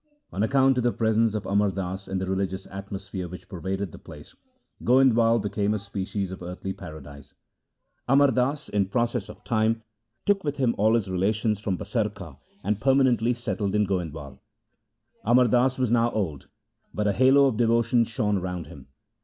On account of the presence of Amar Das and the religious atmosphere which pervaded the place, Goindwal became a species of earthly paradise. Amar Das in process of time took with him all his relations from Basarka and per manently settled in Goindwal. Amar Das was now old, but a halo of devotion shone round him.